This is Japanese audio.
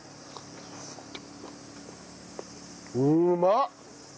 うまっ！